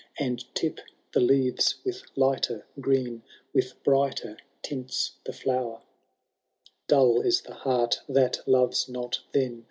And tip the leaves with lighter green. With brighter tints the flower : Dull is the heart that loves not then.